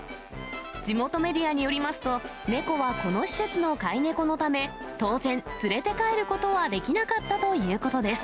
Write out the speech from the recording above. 地元メディアによりますと、猫はこの施設の飼い猫のため、当然、連れて帰ることはできなかったということです。